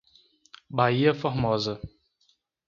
Baía Formosa